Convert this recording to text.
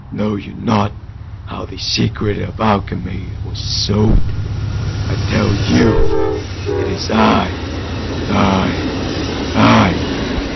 Know you not how the secret of Alchemy was solved? I tell you, it is I! I! I!